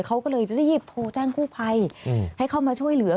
เขาก็เลยจะได้ยิบโทรแจ้งคู่ภัยให้เขามาช่วยเหลือ